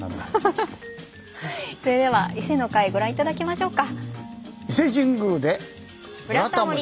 それでは「伊勢」の回ご覧頂きましょうか。